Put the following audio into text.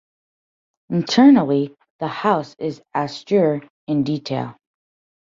Internally the house is austere in detail.